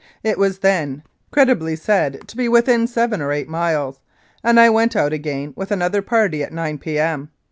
It was then credibly said to be within seven or eight miles, and I went out again with another party at 9 P.M.